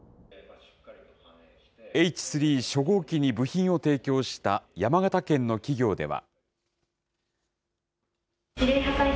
Ｈ３初号機に部品を提供した山形県の企業では。